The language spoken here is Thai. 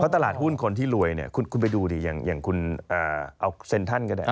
เพราะการตลาดคนที่รวยเนี่ยคุณไปดูดิอย่างคุณเอาเซ็นทั่นก็ได้